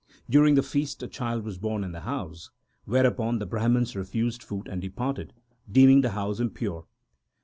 During the feast a child was born in the house, whereupon the Brahmans refused food and departed, deeming the house impure.